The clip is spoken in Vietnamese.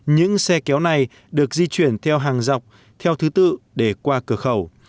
những xe kéo này được di chuyển theo hàng dọc theo thứ tự để qua cửa khẩu